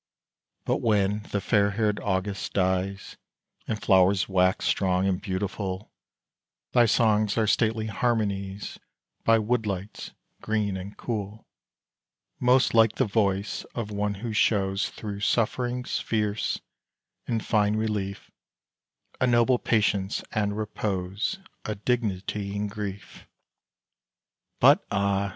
But when the fair haired August dies, And flowers wax strong and beautiful, Thy songs are stately harmonies By wood lights green and cool Most like the voice of one who shows Through sufferings fierce, in fine relief, A noble patience and repose A dignity in grief. But, ah!